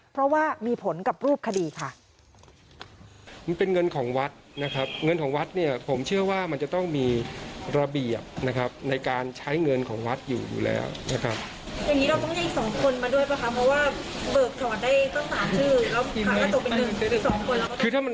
เพราะว่ามีผลกับรูปคดีค่ะ